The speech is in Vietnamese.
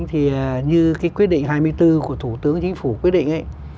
thì như cái quyết định hai mươi bốn của thủ tướng chính phủ quyết định ấy